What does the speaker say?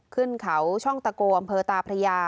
ขึ้นเขาช่องตะโกอำเภอตาพระยา